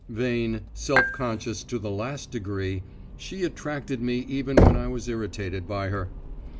Vain, self conscious to the last degree, she attracted me even when I was irritated by her.